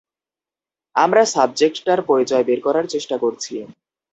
আমরা সাবজেক্টটার পরিচয় বের করার চেষ্টা করছি।